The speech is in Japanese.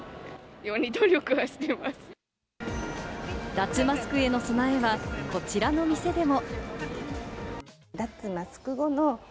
脱マスクへの備えは、こちらの店でも。